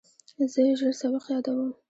زه ژر سبق یادوم.